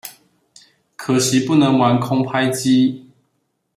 可惜不能玩空拍機